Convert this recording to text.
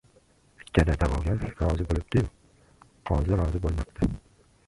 Ikkala da’vogar rozi bo‘libdi-yu, qozi rozi bo‘lmabdi.